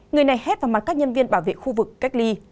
người này hét vào mặt các nhân viên bảo vệ khu vực cách ly